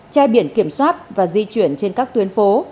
che biển kiểm soát và di chuyển trên các tuyến phố